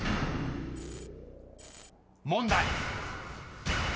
［問題］